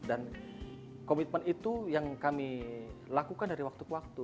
dan komitmen itu yang kami lakukan dari waktu ke waktu